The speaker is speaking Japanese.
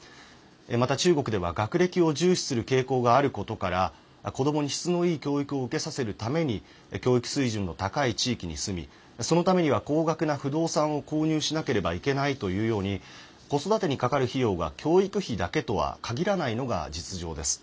また中国では、学歴を重視する傾向があることから子どもに質のいい教育を受けさせるために教育水準の高い地域に住みそのためには、高額な不動産を購入しなければいけないというように子育てにかかる費用が教育費だけとは限らないのが実情です。